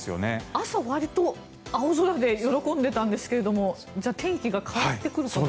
朝、わりと青空で喜んでいたんですがじゃあ、天気が変わってくるということ？